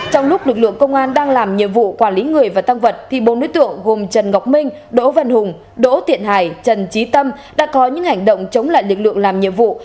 trong lúc lực lượng công an đang làm nhiệm vụ quản lý người và tăng vật thì bốn đối tượng gồm trần ngọc minh đỗ văn hùng đỗ tiện hải trần trí tâm đã có những hành động chống lại lực lượng làm nhiệm vụ